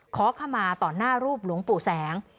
ขอขมาต่อหน้ารูปหลวงปู่แสง